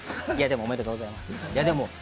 でも、おめでとうございます。